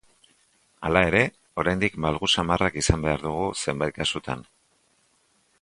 Hala ere, oraindik malgu samarrak izan behar dugu zenbait kasutan.